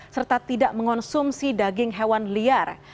serta tidak mengonsumsi daging hewan liar